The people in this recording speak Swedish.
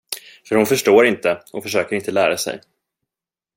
För hon förstår inte och försöker inte lära sig.